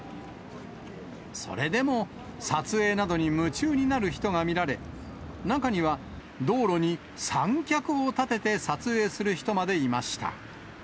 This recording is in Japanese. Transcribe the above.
それでも、撮影などに夢中になる人が見られ、中には、道路に三脚を立てて撮影する人までいました。